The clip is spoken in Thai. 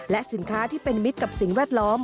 และสินค้าที่เป็นมิตรกับสิ่งแวดล้อม